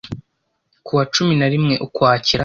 Kuwa cumi narimwe Ukwakira